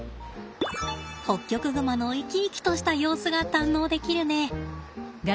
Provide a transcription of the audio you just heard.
ホッキョクグマの生き生きとした様子が堪能できるね。